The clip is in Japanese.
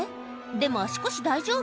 でも足腰大丈夫？